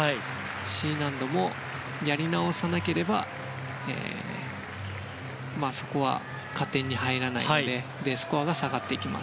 Ｃ難度も、やり直さなければそこは加点に入らないのでＤスコアが下がっていきます。